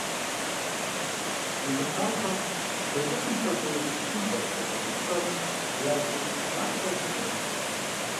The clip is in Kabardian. Джэду пащӏэм, бэджыхъым хуэдэу, блыным къуэс дзыгъуэ цӏыкӏухэм я цӏу макъхэр хозэрыхь.